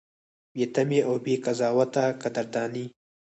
بې تمې او بې قضاوته قدرداني: